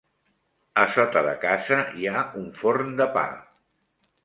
A sota de casa hi ha un forn de pa.